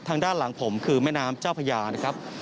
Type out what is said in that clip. ทางด้านหลังผมคือแม่น้ำเจ้าพญานะครับ